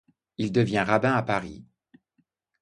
Il devient rabbin à Paris..